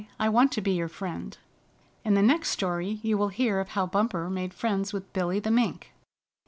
"I want to be your friend." In the next story you will hear of how Bumper made friends with Billy the Mink.